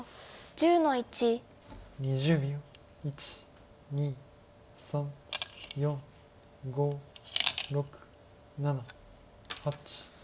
１２３４５６７８。